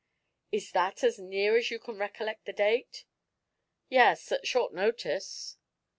"Is that as near as you can recollect the date?" "Yes, at short notice."